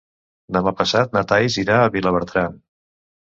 Demà passat na Thaís irà a Vilabertran.